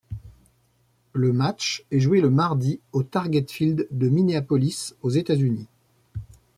Le match est joué le mardi au Target Field de Minneapolis aux États-Unis.